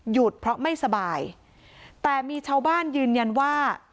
หยุดเพราะไม่สบายแต่มีชาวบ้านยืนยันว่า